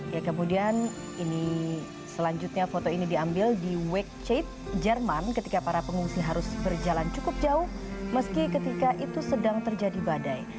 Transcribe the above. ya kemudian ini selanjutnya foto ini diambil di wake chate jerman ketika para pengungsi harus berjalan cukup jauh meski ketika itu sedang terjadi badai